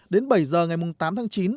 đến bảy h ngày tám tháng chín